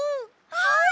はい！